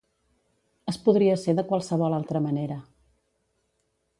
Es podria ser de qualsevol altra manera.